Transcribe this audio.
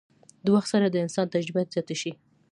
د وخت سره د انسان تجربه زياته شي